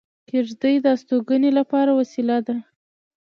کېږدۍ د استوګنې لپاره وسیله ده